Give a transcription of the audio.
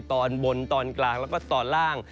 ตอนบนตอนกลางแล้วก็ตอนล่าง